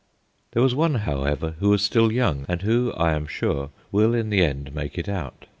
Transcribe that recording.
There was one, however, who was still young, and who, I am sure, will in the end make it out.